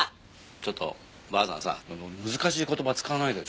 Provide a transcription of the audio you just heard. ちょっとばあさんさあ難しい言葉使わないでよ。